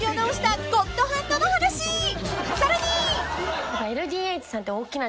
［さらに］